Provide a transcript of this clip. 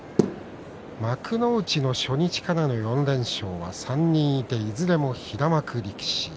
幕内の初日からの４連勝は３人いて、いずれも平幕力士。